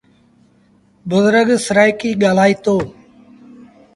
بزرگ سرآئيڪيٚ ڳآلآئيٚتو۔